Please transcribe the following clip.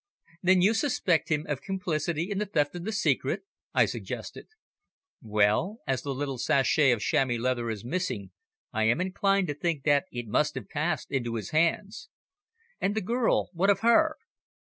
"Then you suspect him of complicity in the theft of the secret?" I suggested. "Well, as the little sachet of chamois leather is missing, I am inclined to think that it must have passed into his hands." "And the girl, what of her?"